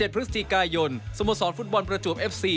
พฤศจิกายนสโมสรฟุตบอลประจวบเอฟซี